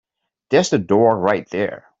There's the door right there.